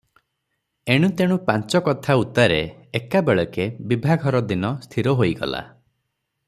ଏଣୁତେଣୁ ପାଞ୍ଚ କଥା ଉତ୍ତାରେ ଏକାବେଳକେ ବିଭାଘର ଦିନ ସ୍ଥିର ହୋଇଗଲା ।